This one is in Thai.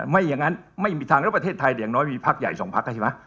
ไม่อย่างนั้นไม่มีทางแล้วประเทศไทยอย่างน้อยมีพักใหญ่สองพักใช่ไหม